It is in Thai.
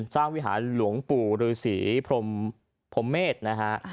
วิหารหลวงปู่ฤษีพรมเมษนะฮะ